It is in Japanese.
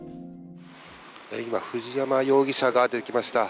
今、藤山容疑者が出てきました。